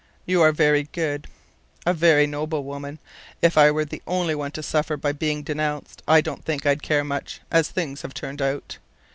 "You are very good, a very noble woman. If I were the only one to suffer by being denounced, I don't think I'd care much, as things have turned out.